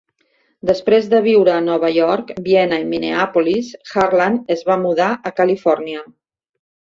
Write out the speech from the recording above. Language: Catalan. Després de viure a Nova York, Viena i Minneapolis, Harland es va mudar a Califòrnia.